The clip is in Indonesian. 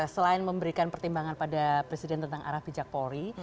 selain memberikan pertimbangan pada presiden tentang arah bijak polri